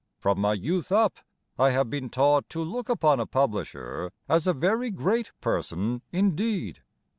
From my youth up I have been taught to look upon a publisher As a very great person indeed.